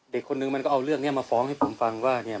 คนนึงมันก็เอาเรื่องนี้มาฟ้องให้ผมฟังว่าเนี่ย